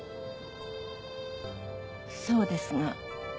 そうですが。